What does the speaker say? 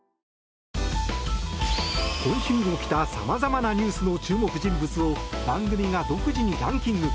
今週起きたさまざまなニュースの注目人物を番組が独自にランキング。